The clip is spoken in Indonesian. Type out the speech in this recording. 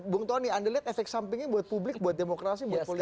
bung tony anda lihat efek sampingnya buat publik buat demokrasi buat politik